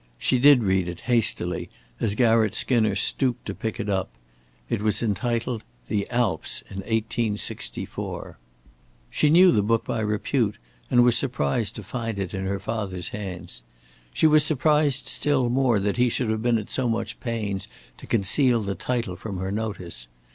She did read it, hastily, as Garratt Skinner stooped to pick it up. It was entitled "The Alps in 1864." She knew the book by repute and was surprised to find it in her father's hands. She was surprised still more that he should have been at so much pains to conceal the title from her notice.